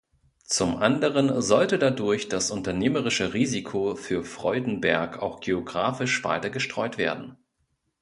Zum anderen sollte dadurch das unternehmerische Risiko für Freudenberg auch geographisch weiter gestreut werden.